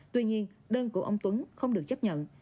tuy nhiên đơn của ông tuấn không được chấp nhận